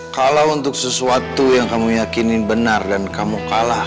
kalau untuk sesuatu yang kamu yakinin benar dan kamu kalah